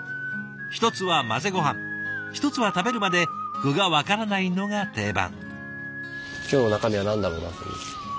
一つは混ぜごはん一つは食べるまで具が分からないのが定番。